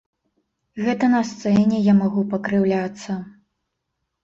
Гэта на сцэне я магу пакрыўляцца.